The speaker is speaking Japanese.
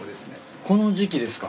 この時季ですか？